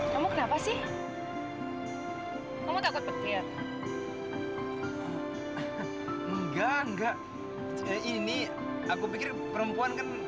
sampai jumpa di video selanjutnya